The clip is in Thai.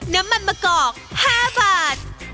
น้ำมันมะกอก๕บาท